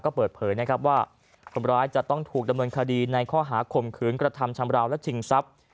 ก็เปิดเผยนะครับว่าคนร้ายจะต้องถูกดำเนินคดีในข้อหาข่มขืนกระทำชำราวและชิงทรัพย์